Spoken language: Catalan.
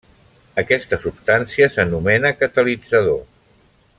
Aquesta substància s'anomena catalitzador.